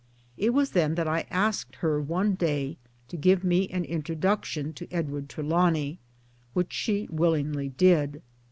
It was then that I asked her one day to give m : e an introduction to Edward Trelawny, which she willingly did.